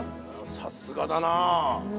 さすがだなあ。